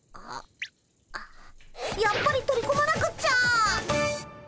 やっぱり取り込まなくっちゃ！